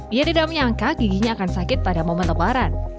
ia tidak menyangka giginya akan sakit pada momen lebaran